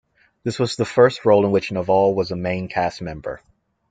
This was the first role in which Neval was a main cast member.